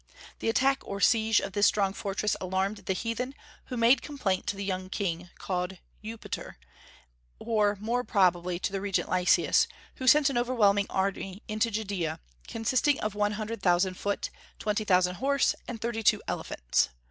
The attack or siege of this strong fortress alarmed the heathen, who made complaint to the young king, called Eupator, or more probably to the regent Lysias, who sent an overwhelming army into Judaea, consisting of one hundred thousand foot, twenty thousand horse, and thirty two elephants.